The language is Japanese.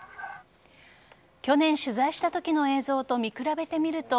去年取材したときの映像と見比べてみると